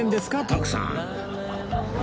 徳さん